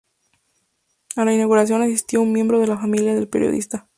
A la inauguración asistió un miembro de la familia del periodista.